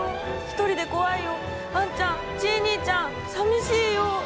一人で怖いよあんちゃんチイ兄ちゃんさみしいよ。